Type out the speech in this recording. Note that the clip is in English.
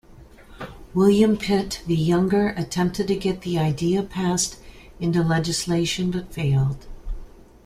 William Pitt the Younger attempted to get the idea passed into legislation but failed.